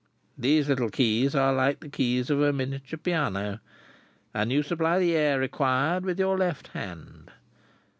These little keys are like the keys of a miniature piano, and you supply the air required with your left hand.